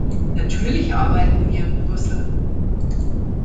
Natürlich arbeiten wir in Brüssel.